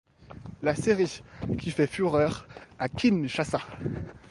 La série qui fait fureur à Kinshasa.